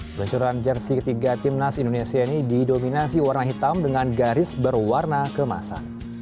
peluncuran jersi ketiga timnas indonesia ini didominasi warna hitam dengan garis berwarna kemasan